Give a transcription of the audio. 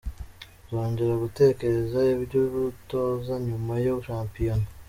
Nzongera gutekereza iby’ubutoza nyuma ya shampiyona.